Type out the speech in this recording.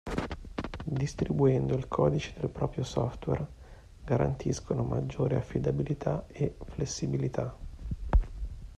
Distribuendo il codice del proprio software garantiscono maggiore affidabilità e flessibilità.